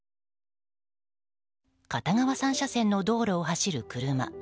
片側３車線の道路を走る車。